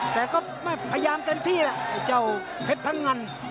แต่ก็ไม่พยายามเต็มที่แหละไอ้เจ้าเพชรพังงัน